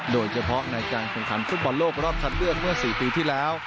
โดยเฉพาะในการกินพลังผู้บอบโลกรอบทัดเลือกเมื่อสี่ปีที่แล้ว